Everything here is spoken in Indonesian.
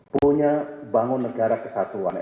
punya bangun negara kesatuan